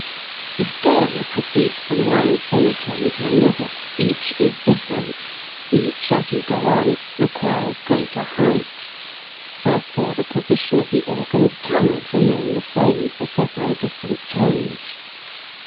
The scale proceeds from one semitone to another; each is different; each, as you go on, requires greater height, wherefore the position of the organs cannot remain the same for several different tones.